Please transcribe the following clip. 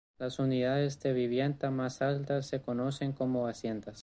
Las unidades de vivienda más altas se conocen como haciendas.